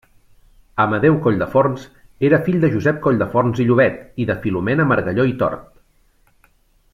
Amadeu Colldeforns era fill de Josep Colldeforns i Llobet i de Filomena Margalló i Tort.